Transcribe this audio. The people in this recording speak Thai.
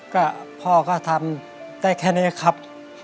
ก็พ่อก็ทำได้แค่นี้ครับ